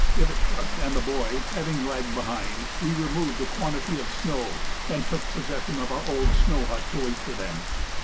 Ivitchuk and the boy having lagged behind, we removed a quantity of snow, and took possession of our old snow hut to wait for them.